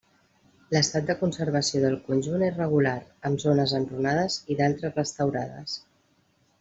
L'estat de conservació del conjunt és regular, amb zones enrunades i d'altres restaurades.